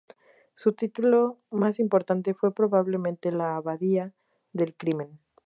Su título más importante fue probablemente "La abadía del crimen".